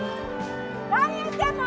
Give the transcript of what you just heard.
何やってんの！？